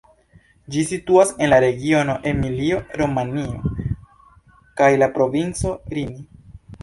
Ĝi situas en la regiono Emilio-Romanjo kaj la provinco Rimini.